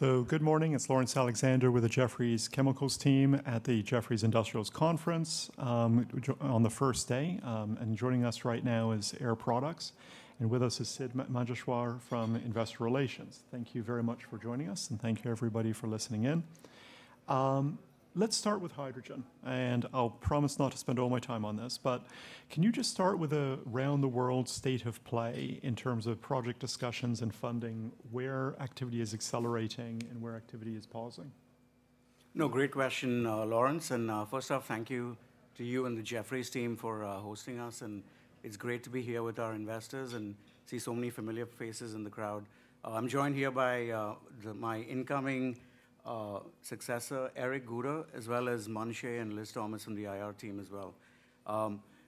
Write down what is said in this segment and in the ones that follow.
Good morning. It's Laurence Alexander with the Jefferies Chemicals team at the Jefferies Industrials Conference, which is on the first day. And joining us right now is Air Products, and with us is Sidd Manjeshwar from Investor Relations. Thank you very much for joining us, and thank you, everybody, for listening in. Let's start with hydrogen, and I'll promise not to spend all my time on this, but can you just start with a round-the-world state of play in terms of project discussions and funding, where activity is accelerating and where activity is pausing? No, great question, Laurence. And first off, thank you to you and the Jefferies team for hosting us, and it's great to be here with our investors and see so many familiar faces in the crowd. I'm joined here by my incoming successor, Eric Guter, as well as Munshi and Liz Thomas from the IR team as well.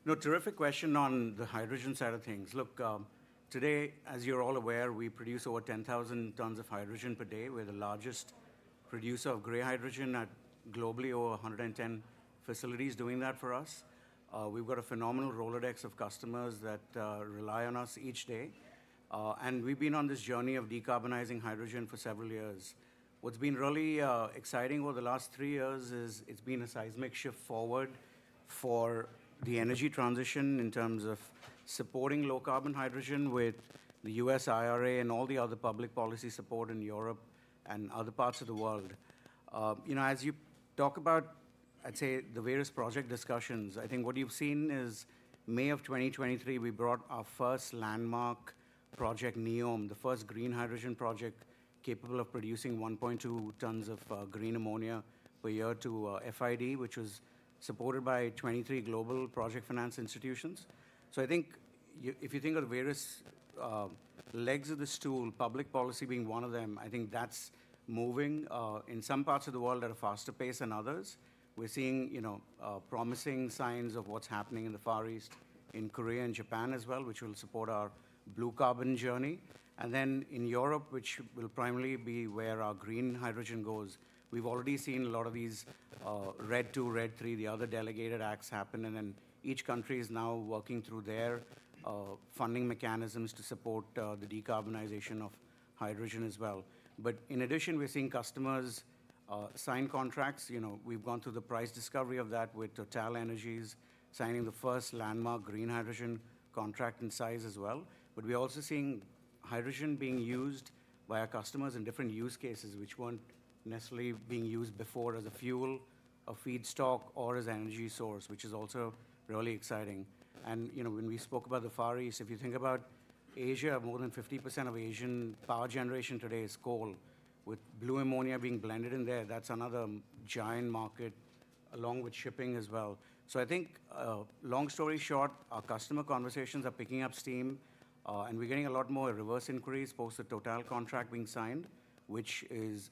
No, terrific question on the hydrogen side of things. Look, today, as you're all aware, we produce over 10,000 tons of hydrogen per day. We're the largest producer of gray hydrogen globally, over 110 facilities doing that for us. We've got a phenomenal Rolodex of customers that rely on us each day, and we've been on this journey of decarbonizing hydrogen for several years. What's been really exciting over the last three years is it's been a seismic shift forward for the energy transition in terms of supporting low-carbon hydrogen with the U.S. IRA and all the other public policy support in Europe and other parts of the world. You know, as you talk about, I'd say, the various project discussions, I think what you've seen is May of 2023, we brought our first landmark project, Neom, the first green hydrogen project capable of producing 1.2 tons of green ammonia per year to FID, which was supported by 23 global project finance institutions, so I think if you think of the various legs of the stool, public policy being one of them, I think that's moving in some parts of the world at a faster pace than others. We're seeing, you know, promising signs of what's happening in the Far East, in Korea and Japan as well, which will support our blue carbon journey, and then in Europe, which will primarily be where our green hydrogen goes, we've already seen a lot of these, RED II, RED III, the other delegated acts happen, and then each country is now working through their funding mechanisms to support the decarbonization of hydrogen as well, but in addition, we're seeing customers sign contracts. You know, we've gone through the price discovery of that with TotalEnergies signing the first landmark green hydrogen contract in size as well, but we're also seeing hydrogen being used by our customers in different use cases, which weren't necessarily being used before as a fuel, a feedstock, or as energy source, which is also really exciting. And, you know, when we spoke about the Far East, if you think about Asia, more than 50% of Asian power generation today is coal, with blue ammonia being blended in there. That's another giant market, along with shipping as well. So I think, long story short, our customer conversations are picking up steam, and we're getting a lot more reverse inquiries post the Total contract being signed, which is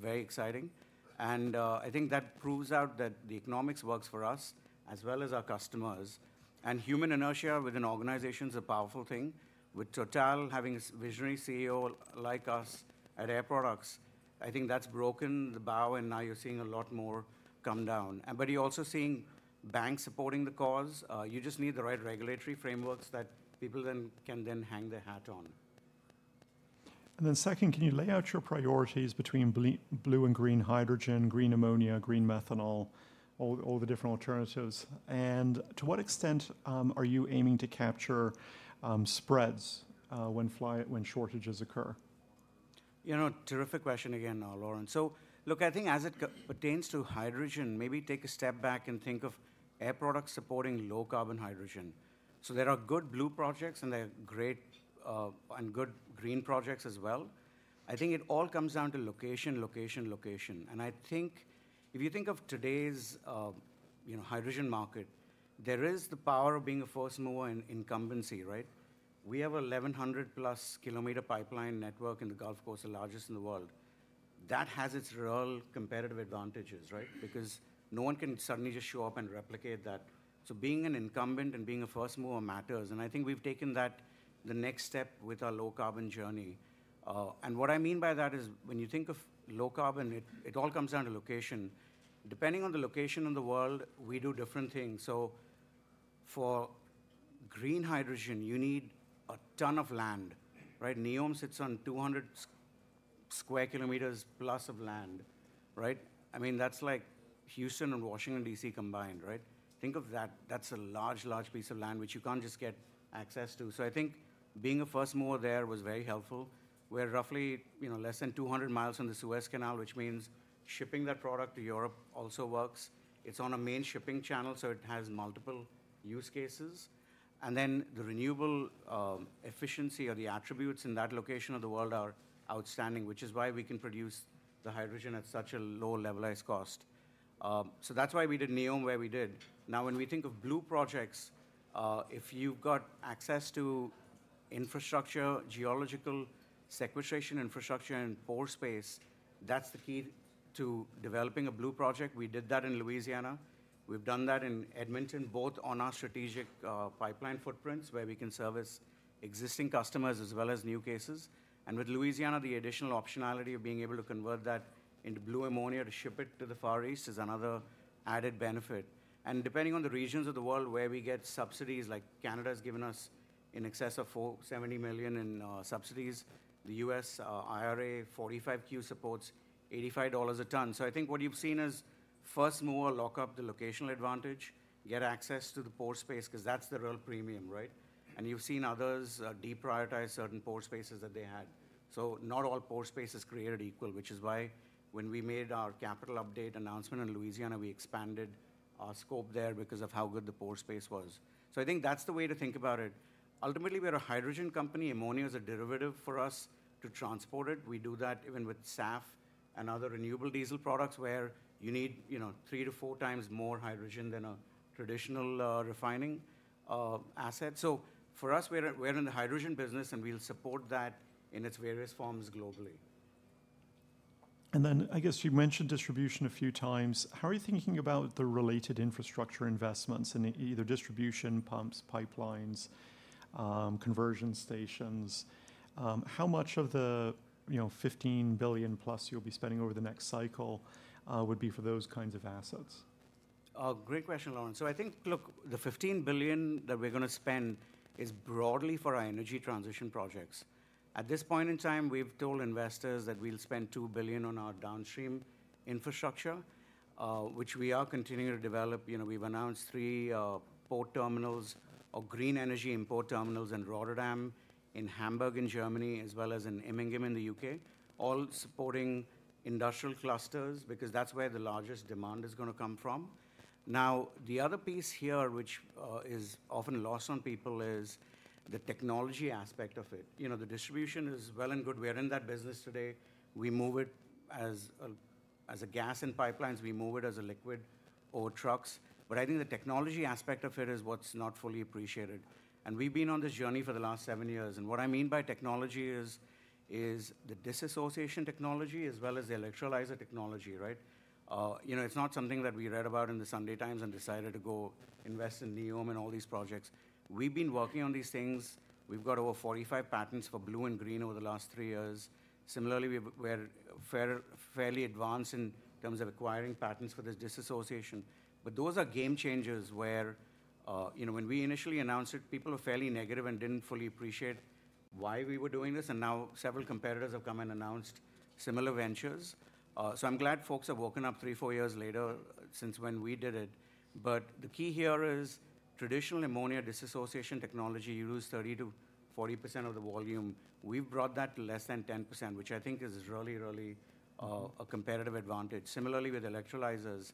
very exciting. And, I think that proves out that the economics works for us as well as our customers. And human inertia within an organization is a powerful thing. With Total having a visionary CEO like us at Air Products, I think that's broken the bow, and now you're seeing a lot more come down. And but you're also seeing banks supporting the cause. You just need the right regulatory frameworks that people then can hang their hat on. And then second, can you lay out your priorities between blue and green hydrogen, green ammonia, green methanol, all the different alternatives? And to what extent are you aiming to capture spreads when shortages occur? You know, terrific question again, Laurence So look, I think as it pertains to hydrogen, maybe take a step back and think of Air Products supporting low-carbon hydrogen. So there are good blue projects, and there are great, and good green projects as well. I think it all comes down to location, location, location. And I think if you think of today's, you know, hydrogen market, there is the power of being a first mover and incumbency, right? We have 1,100+ km pipeline network in the Gulf Coast, the largest in the world. That has its real competitive advantages, right? Because no one can suddenly just show up and replicate that. So being an incumbent and being a first mover matters, and I think we've taken that the next step with our low-carbon journey. And what I mean by that is when you think of low carbon, it all comes down to location. Depending on the location in the world, we do different things. So for green hydrogen, you need a ton of land, right? Neom sits on 200 km²+ of land, right? I mean, that's like Houston and Washington, D.C., combined, right? Think of that. That's a large, large piece of land, which you can't just get access to. So I think being a first mover there was very helpful. We're roughly, you know, less than 200 miles from the Suez Canal, which means shipping that product to Europe also works. It's on a main shipping channel, so it has multiple use cases. And then the renewable efficiency or the attributes in that location of the world are outstanding, which is why we can produce the hydrogen at such a low levelized cost. So that's why we did Neom where we did. Now, when we think of blue projects, if you've got access to infrastructure, geological sequestration infrastructure, and pore space, that's the key to developing a blue project. We did that in Louisiana. We've done that in Edmonton, both on our strategic pipeline footprints, where we can service existing customers as well as new cases. And with Louisiana, the additional optionality of being able to convert that into blue ammonia to ship it to the Far East is another added benefit. And depending on the regions of the world where we get subsidies, like Canada has given us in excess of 470 million in subsidies. The U.S. IRA 45Q supports $85 a ton. So I think what you've seen is first mover lock up the locational advantage, get access to the pore space, 'cause that's the real premium, right? And you've seen others, deprioritize certain pore spaces that they had. So not all pore space is created equal, which is why when we made our capital update announcement in Louisiana, we expanded our scope there because of how good the pore space was. So I think that's the way to think about it. Ultimately, we're a hydrogen company. Ammonia is a derivative for us to transport it. We do that even with SAF and other renewable diesel products, where you need, you know, 3-4x more hydrogen than a traditional, refining, asset. So for us, we're in the hydrogen business, and we'll support that in its various forms globally. And then I guess you mentioned distribution a few times. How are you thinking about the related infrastructure investments in either distribution pumps, pipelines, conversion stations? How much of the, you know, $15 billion+ you'll be spending over the next cycle, would be for those kinds of assets? Great question, Laurence. So I think, look, the $15 billion that we're gonna spend is broadly for our energy transition projects. At this point in time, we've told investors that we'll spend $2 billion on our downstream infrastructure, which we are continuing to develop. You know, we've announced 3 port terminals or green energy import terminals in Rotterdam, in Hamburg, in Germany, as well as in Immingham, in the U.K., all supporting industrial clusters, because that's where the largest demand is gonna come from. Now, the other piece here, which is often lost on people, is the technology aspect of it. You know, the distribution is well and good. We are in that business today. We move it as a gas in pipelines, we move it as a liquid over trucks. But I think the technology aspect of it is what's not fully appreciated. And we've been on this journey for the last seven years, and what I mean by technology is the dissociation technology as well as the electrolyzer technology, right? You know, it's not something that we read about in the Sunday Times and decided to go invest in Neom and all these projects. We've been working on these things. We've got over 45 patents for blue and green over the last three years. Similarly, we're fairly advanced in terms of acquiring patents for this dissociation, but those are game changers where, you know, when we initially announced it, people were fairly negative and didn't fully appreciate why we were doing this, and now several competitors have come and announced similar ventures. So I'm glad folks have woken up three, four years later since when we did it. But the key here is traditional ammonia dissociationtechnology, you lose 30%-40% of the volume. We've brought that to less than 10%, which I think is really, really, a competitive advantage. Similarly, with electrolyzers,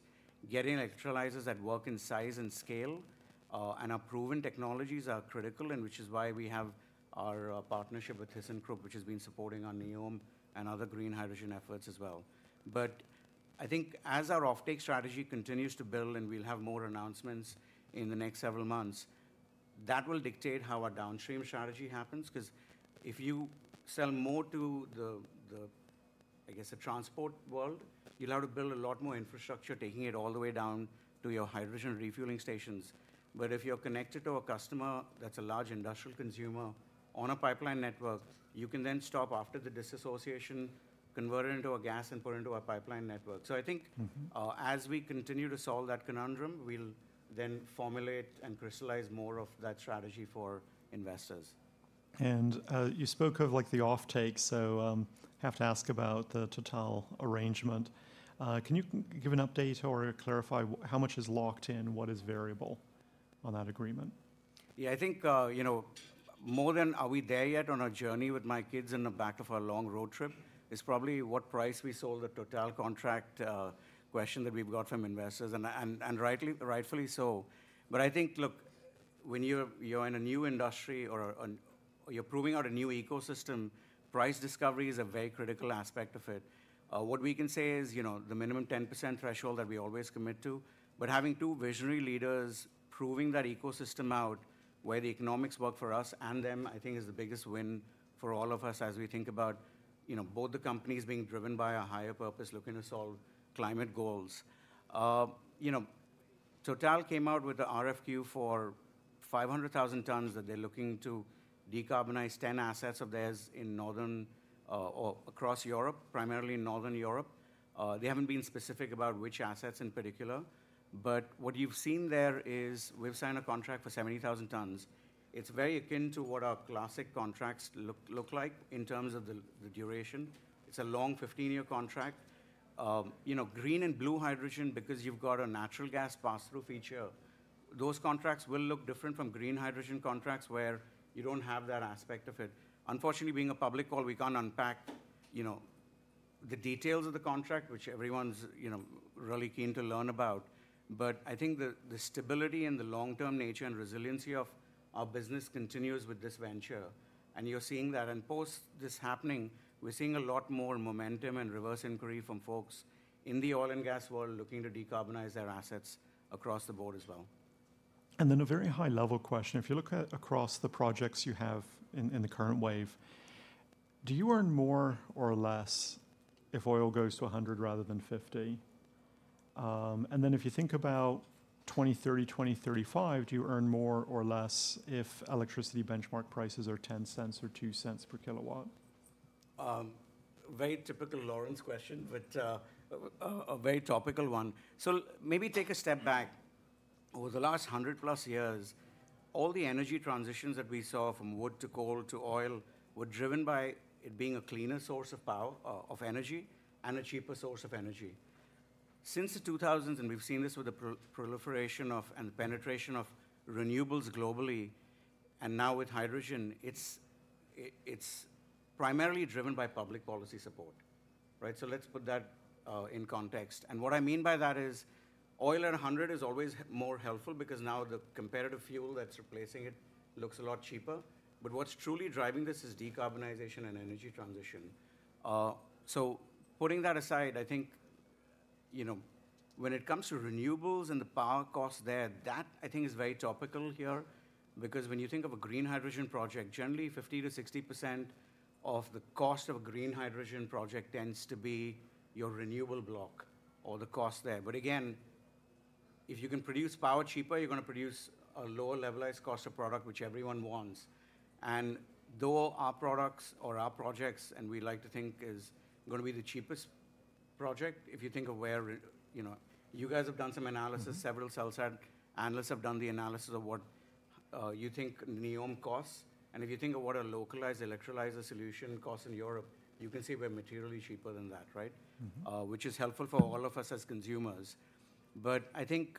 getting electrolyzers that work in size and scale, and are proven technologies are critical, and which is why we have our, partnership with ThyssenKrupp, which has been supporting our Neom and other green hydrogen efforts as well. But I think as our offtake strategy continues to build, and we'll have more announcements in the next several months, that will dictate how our downstream strategy happens, 'cause if you sell more to the, I guess, the transport world, you'll have to build a lot more infrastructure, taking it all the way down to your hydrogen refueling stations. But if you're connected to a customer that's a large industrial consumer on a pipeline network, you can then stop after the dissociation, convert it into a gas, and put it into a pipeline network. So I think- Mm-hmm. As we continue to solve that conundrum, we'll then formulate and crystallize more of that strategy for investors. You spoke of, like, the offtake, so have to ask about the Total arrangement. Can you give an update or clarify how much is locked in, what is variable on that agreement? Yeah, I think, you know, more than are we there yet on our journey with my kids in the back of a long road trip is probably what price we sold the Total contract, question that we've got from investors, and rightly, rightfully so. But I think, look, when you're in a new industry or you're proving out a new ecosystem, price discovery is a very critical aspect of it. What we can say is, you know, the minimum 10% threshold that we always commit to, but having two visionary leaders proving that ecosystem out, where the economics work for us and them, I think, is the biggest win for all of us as we think about, you know, both the companies being driven by a higher purpose, looking to solve climate goals. You know, Total came out with a RFQ for 500,000 tons, that they're looking to decarbonize 10 assets of theirs in Northern, or across Europe, primarily in Northern Europe. They haven't been specific about which assets in particular, but what you've seen there is we've signed a contract for 70,000 tons. It's very akin to what our classic contracts look like in terms of the duration. It's a long, 15-year contract. You know, green and blue hydrogen, because you've got a natural gas pass-through feature, those contracts will look different from green hydrogen contracts, where you don't have that aspect of it. Unfortunately, being a public call, we can't unpack, you know, the details of the contract, which everyone's, you know, really keen to learn about. But I think the stability and the long-term nature and resiliency of our business continues with this venture, and you're seeing that. And post this happening, we're seeing a lot more momentum and reverse inquiry from folks in the oil and gas world looking to decarbonize their assets across the board as well. Then a very high-level question: If you look at across the projects you have in the current wave, do you earn more or less if oil goes to a 100 rather than 50? And then if you think about 2030, 2035, do you earn more or less if electricity benchmark prices are $0.10 or $0.02 per Kw?... Very typical Laurence question, but a very topical one. So maybe take a step back. Over the last 100+ years, all the energy transitions that we saw, from wood to coal to oil, were driven by it being a cleaner source of power, of energy, and a cheaper source of energy. Since the 2000s, and we've seen this with the proliferation of and penetration of renewables globally, and now with hydrogen, it's primarily driven by public policy support, right? So let's put that in context. And what I mean by that is, oil at a hundred is always more helpful because now the comparative fuel that's replacing it looks a lot cheaper. But what's truly driving this is decarbonization and energy transition. So putting that aside, I think, you know, when it comes to renewables and the power costs there, that I think is very topical here. Because when you think of a green hydrogen project, generally 50%-60% of the cost of a green hydrogen project tends to be your renewable block or the cost there. But again, if you can produce power cheaper, you're gonna produce a lower levelized cost of product, which everyone wants. And though our products or our projects, and we like to think, is gonna be the cheapest project, if you think of where, you know. You guys have done some analysis- Mm-hmm. Several sell-side analysts have done the analysis of what you think Neom costs, and if you think of what a localized electrolyzer solution costs in Europe, you can see we're materially cheaper than that, right? Mm-hmm. Which is helpful for all of us as consumers. But I think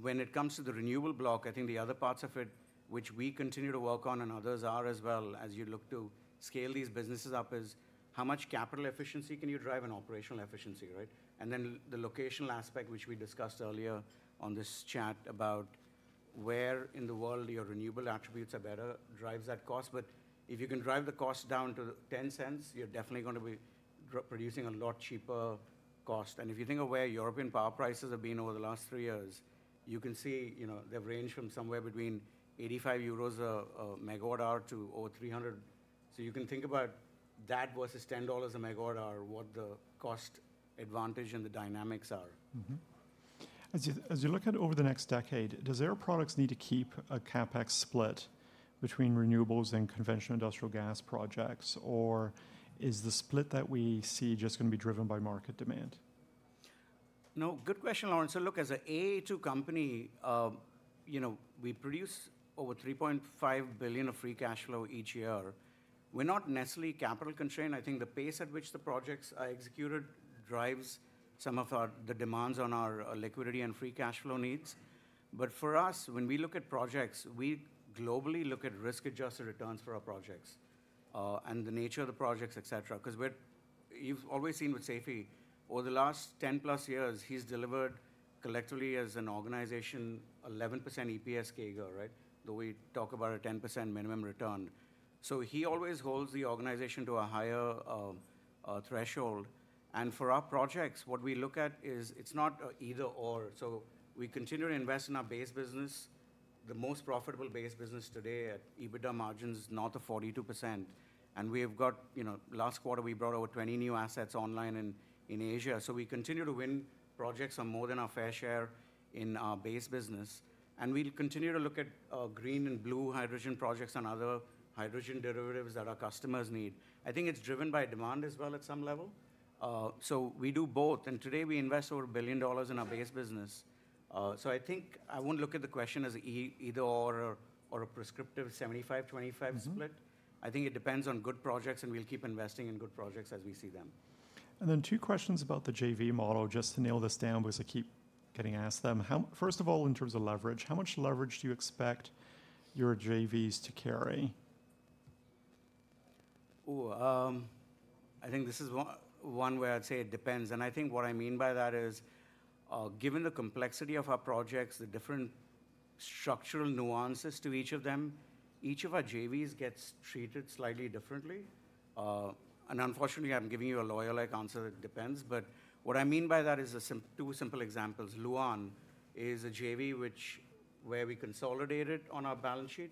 when it comes to the renewable block, I think the other parts of it, which we continue to work on and others are as well, as you look to scale these businesses up, is: How much capital efficiency can you drive and operational efficiency, right? And then the locational aspect, which we discussed earlier on this chat, about where in the world your renewable attributes are better, drives that cost. But if you can drive the cost down to $0.10, you're definitely gonna be producing a lot cheaper cost. And if you think of where European power prices have been over the last three years, you can see, you know, they've ranged from somewhere between 85 euros a MW hour to over 300. You can think about that versus $10 a megawatt hour, what the cost advantage and the dynamics are. Mm-hmm. As you look out over the next decade, does Air Products need to keep a CapEx split between renewables and conventional industrial gas projects, or is the split that we see just gonna be driven by market demand? No, good question, Laurence. So look, as a AA2 company, you know, we produce over $3.5 billion of free cash flow each year. We're not necessarily capital constrained. I think the pace at which the projects are executed drives some of the demands on our liquidity and free cash flow needs. But for us, when we look at projects, we globally look at risk-adjusted returns for our projects, and the nature of the projects, et cetera. 'Cause you've always seen with Seifi, over the last 10+ years, he's delivered collectively as an organization, 11% EPS CAGR, right? Though we talk about a 10% minimum return. So he always holds the organization to a higher threshold. And for our projects, what we look at is, it's not either/or. We continue to invest in our base business, the most profitable base business today at EBITDA margins north of 42%. We have got. You know, last quarter, we brought over 20 new assets online in Asia. We continue to win projects on more than our fair share in our base business, and we'll continue to look at green and blue hydrogen projects and other hydrogen derivatives that our customers need. I think it's driven by demand as well, at some level. So we do both, and today we invest over $1 billion in our base business. So I think I wouldn't look at the question as either/or or a prescriptive 75-25 split. Mm-hmm. I think it depends on good projects, and we'll keep investing in good projects as we see them. Two questions about the JV model, just to nail this down, because I keep getting asked them. First of all, in terms of leverage, how much leverage do you expect your JVs to carry? I think this is one where I'd say it depends. And I think what I mean by that is, given the complexity of our projects, the different structural nuances to each of them, each of our JVs gets treated slightly differently. And unfortunately, I'm giving you a lawyer-like answer, "It depends." But what I mean by that is two simple examples. Lu'an is a JV which, where we consolidated on our balance sheet,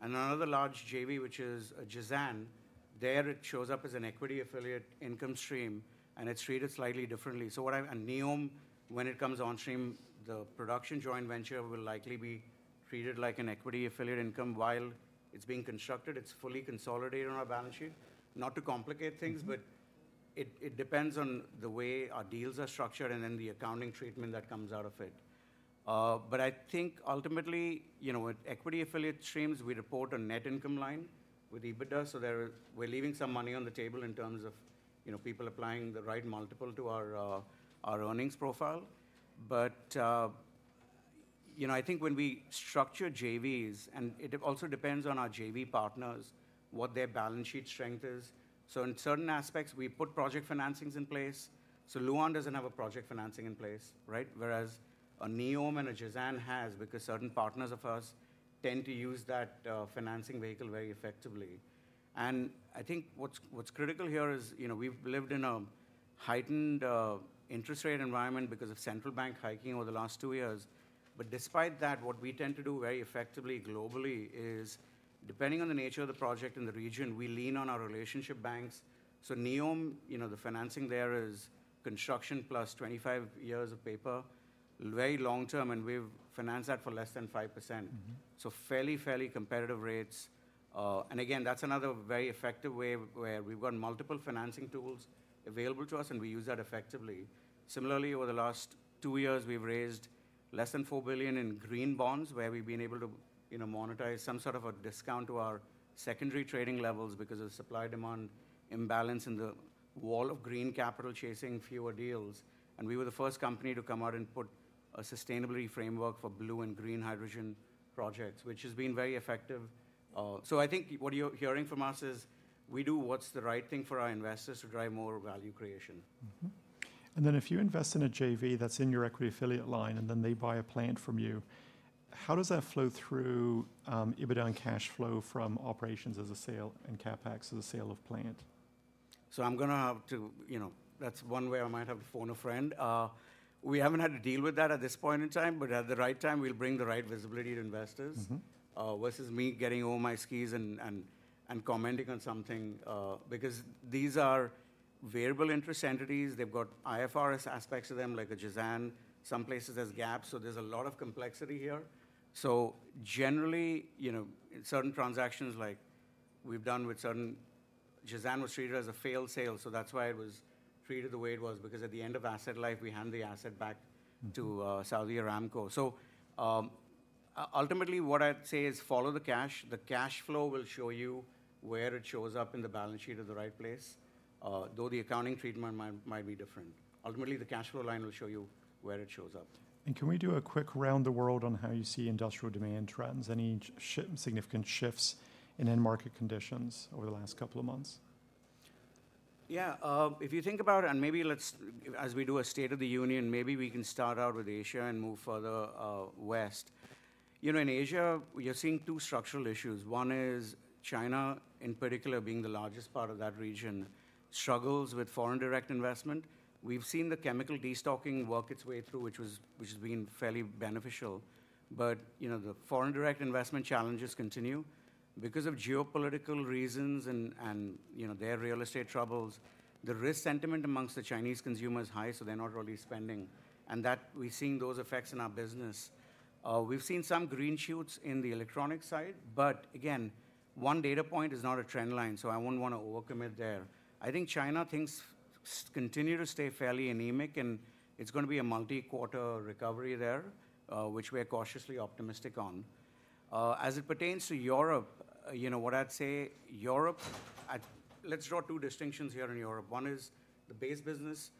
and another large JV, which is Jazan, there it shows up as an equity affiliate income stream, and it's treated slightly differently. And Neom, when it comes onstream, the production joint venture will likely be treated like an equity affiliate income. While it's being constructed, it's fully consolidated on our balance sheet. Not to complicate things- Mm-hmm... but it depends on the way our deals are structured and then the accounting treatment that comes out of it. But I think ultimately, you know, with equity affiliate streams, we report a net income line with EBITDA, so there, we're leaving some money on the table in terms of, you know, people applying the right multiple to our, our earnings profile. But, you know, I think when we structure JVs, and it also depends on our JV partners, what their balance sheet strength is. So in certain aspects, we put project financings in place. So Lu'an doesn't have a project financing in place, right? Whereas a Neom and a Jazan has, because certain partners of ours tend to use that financing vehicle very effectively. And I think what's critical here is, you know, we've lived in a heightened interest rate environment because of central bank hiking over the last two years. But despite that, what we tend to do very effectively globally is, depending on the nature of the project and the region, we lean on our relationship banks. So Neom, you know, the financing there is construction plus 25 years of paper, very long-term, and we've financed that for less than 5%. Mm-hmm. Fairly, fairly competitive rates. And again, that's another very effective way where we've got multiple financing tools available to us, and we use that effectively. Similarly, over the last two years, we've raised less than $4 billion in green bonds, where we've been able to, you know, monetize some sort of a discount to our secondary trading levels because of the supply-demand imbalance and the wall of green capital chasing fewer deals. And we were the first company to come out and put a sustainability framework for blue and green hydrogen projects, which has been very effective. So I think what you're hearing from us is, we do what's the right thing for our investors to drive more value creation. Mm-hmm. And then, if you invest in a JV that's in your equity affiliate line, and then they buy a plant from you, how does that flow through EBITDA and cash flow from operations as a sale and CapEx as a sale of plant? So I'm gonna have to, you know, that's one way I might have to phone a friend. We haven't had to deal with that at this point in time, but at the right time, we'll bring the right visibility to investors. Mm-hmm. versus me getting over my skis and commenting on something. Because these are variable interest entities, they've got IFRS aspects to them, like the Jazan. Some places there's gaps, so there's a lot of complexity here. So generally, you know, certain transactions, like we've done with certain Jazan was treated as a failed sale, so that's why it was treated the way it was, because at the end of asset life, we hand the asset back- Mm-hmm. to Saudi Aramco. So, ultimately, what I'd say is follow the cash. The cash flow will show you where it shows up in the balance sheet at the right place, though the accounting treatment might be different. Ultimately, the cash flow line will show you where it shows up. Can we do a quick round the world on how you see industrial demand trends? Any significant shifts in end market conditions over the last couple of months? Yeah, if you think about it, and maybe let's, as we do a state of the union, maybe we can start out with Asia and move further, west. You know, in Asia, we are seeing two structural issues. One is China, in particular, being the largest part of that region, struggles with foreign direct investment. We've seen the chemical destocking work its way through, which has been fairly beneficial. But, you know, the foreign direct investment challenges continue because of geopolitical reasons and, you know, their real estate troubles. The risk sentiment amongst the Chinese consumer is high, so they're not really spending, and that we're seeing those effects in our business. We've seen some green shoots in the electronic side, but again, one data point is not a trend line, so I wouldn't want to overcommit there. I think China, things continue to stay fairly anemic, and it's gonna be a multi-quarter recovery there, which we're cautiously optimistic on. As it pertains to Europe, you know what I'd say, Europe. Let's draw two distinctions here in Europe. One is the base business.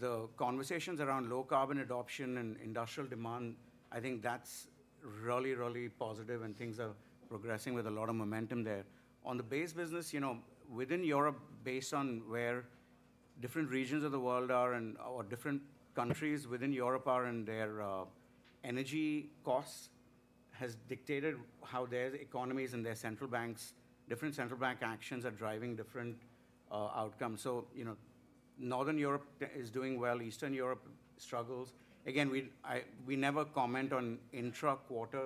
The conversations around low carbon adoption and industrial demand, I think that's really, really positive, and things are progressing with a lot of momentum there. On the base business, you know, within Europe, based on where different regions of the world are and/or different countries within Europe are, and their energy costs has dictated how their economies and their central banks different central bank actions are driving different outcomes. So, you know, Northern Europe is doing well, Eastern Europe struggles. Again, we never comment on intra-quarter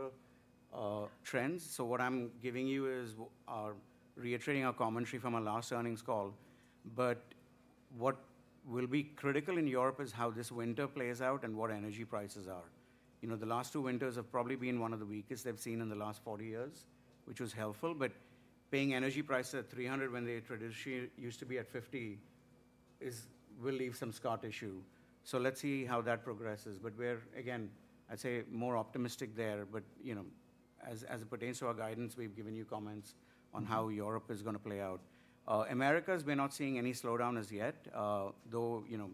trends, so what I'm giving you is reiterating our commentary from our last earnings call. But what will be critical in Europe is how this winter plays out and what energy prices are. You know, the last two winters have probably been one of the weakest they've seen in the last forty years, which was helpful. But paying energy prices at three hundred when they traditionally used to be at fifty will leave some scar tissue. So let's see how that progresses, but we're, again, I'd say, more optimistic there. But, you know, as it pertains to our guidance, we've given you comments on how- Mm-hmm... Europe is gonna play out. Americas, we're not seeing any slowdown as yet. Though, you know,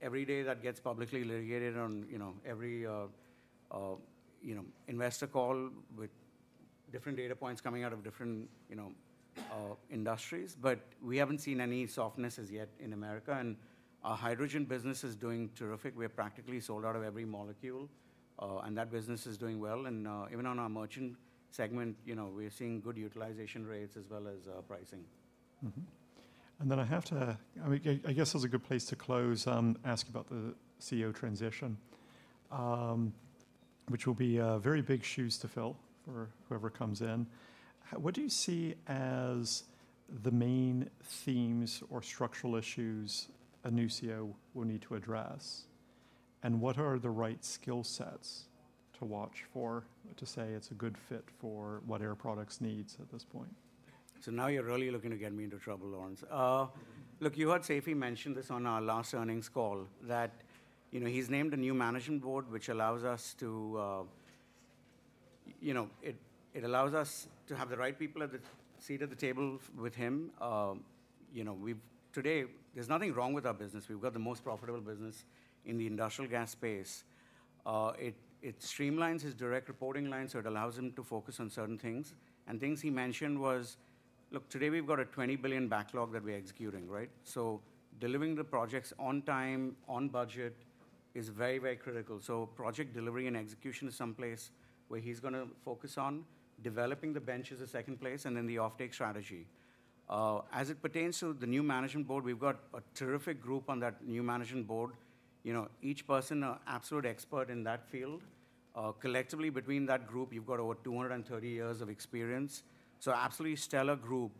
every day that gets publicly litigated on, you know, every investor call with different data points coming out of different, you know, industries. But we haven't seen any softness as yet in America, and our hydrogen business is doing terrific. We're practically sold out of every molecule, and that business is doing well. And even on our merchant segment, you know, we're seeing good utilization rates as well as pricing. Mm-hmm. And then I have to, I mean, I guess this is a good place to close, ask about the CEO transition, which will be, very big shoes to fill for whoever comes in. What do you see as the main themes or structural issues a new CEO will need to address? And what are the right skill sets to watch for to say it's a good fit for what Air Products needs at this point? So now you're really looking to get me into trouble, Laurence. Look, you heard Seifi mention this on our last earnings call, that, you know, he's named a new management board which allows us to. You know, it allows us to have the right people at the seat at the table with him. You know, we've. Today, there's nothing wrong with our business. We've got the most profitable business in the industrial gas space. It streamlines his direct reporting line, so it allows him to focus on certain things. Things he mentioned was. Look, today we've got a $20 billion backlog that we're executing, right? So delivering the projects on time, on budget, is very, very critical. So project delivery and execution is someplace where he's gonna focus on. Developing the bench is the second place, and then the offtake strategy. As it pertains to the new management board, we've got a terrific group on that new management board. You know, each person, an absolute expert in that field. Collectively, between that group, you've got over 230 years of experience. So absolutely stellar group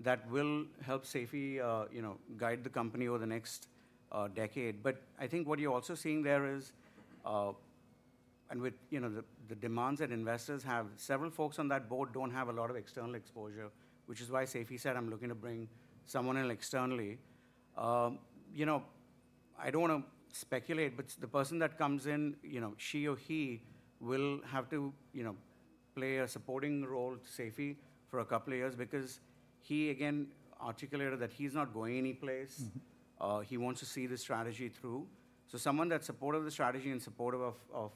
that will help Seifi, you know, guide the company over the next decade. But I think what you're also seeing there is, and with, you know, the demands that investors have, several folks on that board don't have a lot of external exposure, which is why Seifi said, "I'm looking to bring someone in externally." You know, I don't wanna speculate, but the person that comes in, you know, she or he will have to, you know, play a supporting role to Seifi for a couple of years, because he, again, articulated that he's not going anyplace. Mm-hmm. He wants to see this strategy through. So someone that's supportive of the strategy and supportive of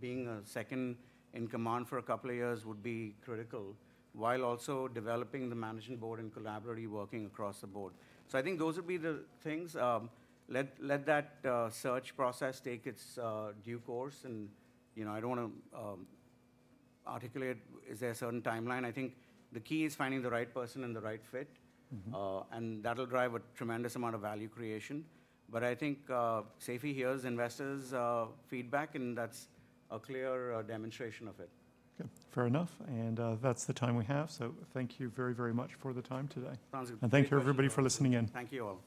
being a second in command for a couple of years would be critical, while also developing the management board and collaboratively working across the board. So I think those would be the things. Let that search process take its due course. And, you know, I don't wanna articulate, is there a certain timeline? I think the key is finding the right person and the right fit. Mm-hmm. And that'll drive a tremendous amount of value creation. But I think, Seifi hears investors' feedback, and that's a clear demonstration of it. Okay, fair enough. And, that's the time we have, so thank you very, very much for the time today. Sounds good. Thank you, everybody, for listening in. Thank you, all.